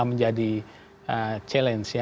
itu memang hal yang sangat penting untuk mereka